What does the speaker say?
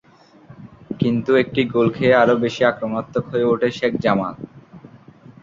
কিন্তু একটি গোল খেয়ে আরও বেশি আক্রমণাত্মক হয়ে ওঠে শেখ জামাল।